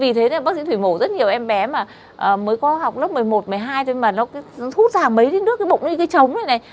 vì thế bác sĩ thủy mổ rất nhiều em bé mà mới có học lớp một mươi một một mươi hai thôi mà nó hút ra mấy đứa nước cái bụng nó như cái trống này này